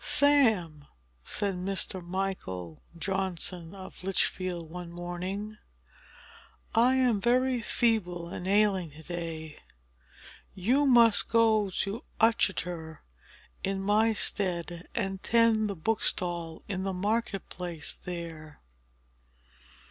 "Sam," said Mr. Michael Johnson of Lichfield, one morning, "I am very feeble and ailing to day. You must go to Uttoxeter in my stead, and tend the bookstall in the market place there."